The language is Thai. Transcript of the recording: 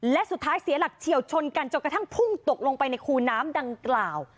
และสุดท้ายเสียหลักเฉียวชนกันจนกระทั่งพุ่งตกลงไปในคูน้ำดังกล่าว